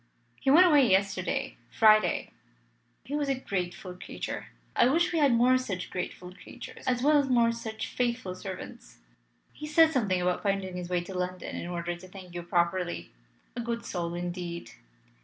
"He went away yesterday Friday. He was a grateful creature. I wish we had more such grateful creatures as well as more such faithful servants. He said something about finding his way to London in order to thank you properly. A good soul, indeed!"